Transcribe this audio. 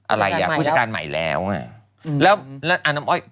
อะไรอ่ะผู้จักรใหม่แล้วไงแล้วอันน้ำอ้อย